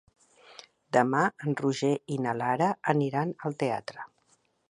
Demà en Roger i na Lara aniran al teatre.